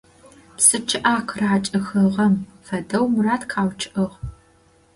Псы чъыӏэ къыракӏыхыгъэм фэдэу Мурат къэучъыӏыгъ.